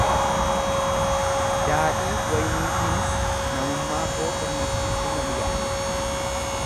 daadhii wayniitiinis namummaa koo gammachiisuu nan yaade,